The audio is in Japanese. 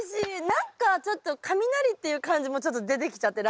何かちょっと雷っていう漢字もちょっと出てきちゃって。